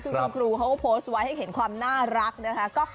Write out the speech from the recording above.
คือคุณครูเขาก็โพสต์ไว้ให้เห็นความน่ารักนะคะ